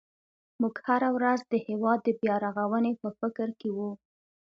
موږ هره ورځ د هېواد د بیا رغونې په فکر کې وو.